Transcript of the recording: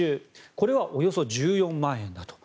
これはおよそ１４万円だと。